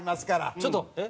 ちょっとえっ？